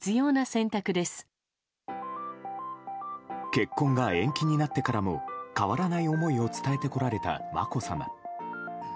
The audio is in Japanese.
結婚が延期になってからも変わらない思いを伝えてこられた、まこさま。